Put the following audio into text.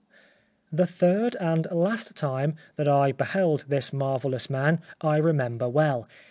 "' The third and last time that I beheld this marvellous man I remember well.